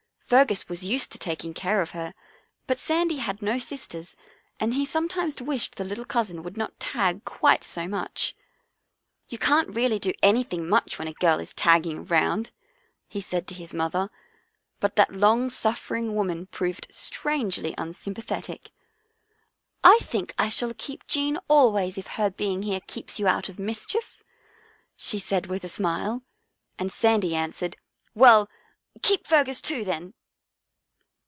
Fergus was used to taking care of her, but Sandy had no sisters and he sometimes wished the little cousin would not tag quite so much. " You can't really do anything much when a girl is tagging around," he said to his mother, but that long suffering woman proved strangely unsympathetic. " I think I shall keep Jean always if her being here keeps you out of mischief," she said with a smile, and Sandy answered, " Well, keep Fergus too, then."